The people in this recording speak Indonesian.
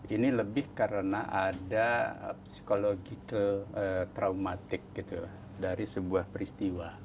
ini lebih karena ada psikologi traumatik gitu dari sebuah peristiwa